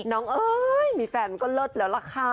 น้องมีแฟนก็เลิศแล้วละค่ะ